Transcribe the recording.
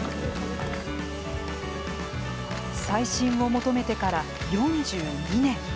再審を求めてから、４２年。